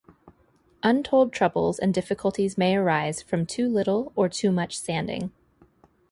Untold troubles and difficulties may arise from too little or too much sanding.